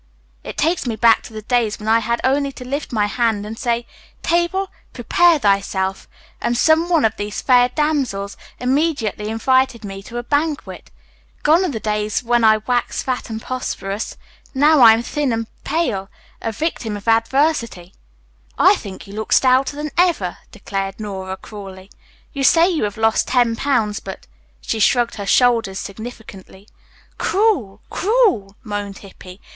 "It takes me back to the days when I had only to lift my hand and say, 'Table, prepare thyself,' and some one of these fair damsels immediately invited me to a banquet. Gone are the days when I waxed fat and prosperous. Now I am thin and pale, a victim of adversity." "I think you look stouter than ever," declared Nora cruelly. "You say you have lost ten pounds, but " she shrugged her shoulders significantly. "Cruel, cruel," moaned Hippy.